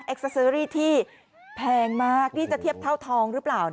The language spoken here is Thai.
เซอรี่ที่แพงมากนี่จะเทียบเท่าทองหรือเปล่า